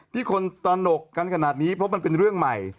ที่คนตระหนกกันขนาดนี้เพราะมันเป็นเรื่องใหม่